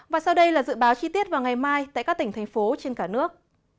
và sau đây là dự báo chi tiết vào ngày mai tại các tỉnh thành phố trên cả nước